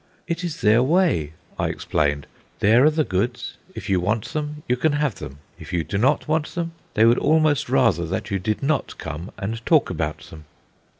"It is their way," I explained. "There are the goods; if you want them, you can have them. If you do not want them, they would almost rather that you did not come and talk about them."